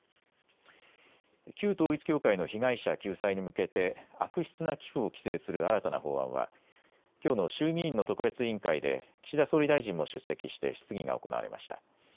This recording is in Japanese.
旧統一教会の被害者救済に向けて悪質な寄付を規制する新たな法案はきょうの衆議院の特別委員会で岸田総理大臣も出席して質疑が行われました。